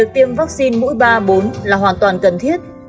tiêm vaccine mũi ba bốn là hoàn toàn cần thiết